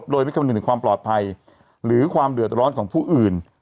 โดยไม่คำนึงถึงความปลอดภัยหรือความเดือดร้อนของผู้อื่น